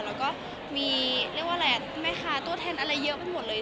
แล้วก็มีเรียกว่าอะไรแม่ค้าตัวแทนอะไรเยอะไปหมดเลย